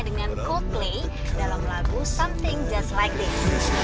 dengan coldplay dalam lagu something just like this